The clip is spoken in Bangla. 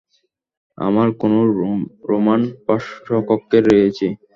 আমরা কোনো রোমান পার্শ্বকক্ষে রয়েছি।